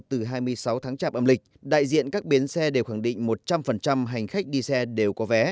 từ hai mươi sáu tháng chạp âm lịch đại diện các bến xe đều khẳng định một trăm linh hành khách đi xe đều có vé